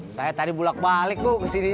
saya tadi bulat balik bu ke sini